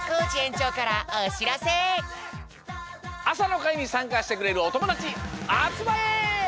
あさのかいにさんかしてくれるおともだちあつまれ！